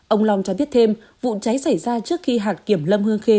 ông long cho biết thêm vụ cháy xảy ra trước khi hạt kiểm lâm hương khê